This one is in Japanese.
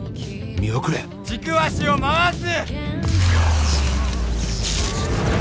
見送れ軸足を回す！